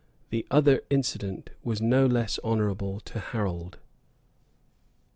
The other incident was no less honorable to Harold.